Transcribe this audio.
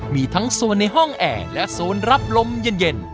มีทั้งโซนในห้องแอร์และโซนรับลมเย็น